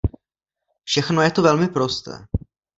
Všechno je to velmi prosté.